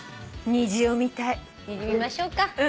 虹見ましょうか。